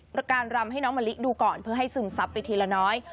ประการรำให้น้องมะลิดูก่อนเพื่อให้ซึมซับไปทีละน้อย